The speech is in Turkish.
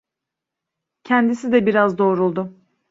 Kendisi de biraz doğruldu.